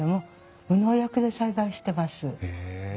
へえ。